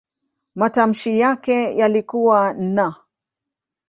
Matamshi yake yalikuwa "n".